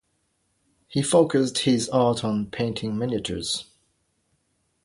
He focused his art on painting miniatures.